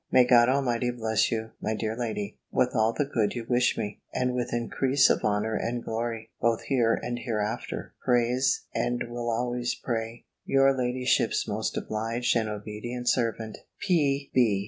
May God Almighty bless you, my dear lady, with all the good you wish me, and with increase of honour and glory, both here and hereafter, prays, and will always pray, your ladyship's most obliged and obedient servant, P.B."